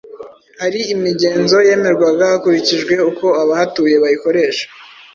hari imigenzo yemerwaga hakurikijwe uko abahatuye bayikoresha.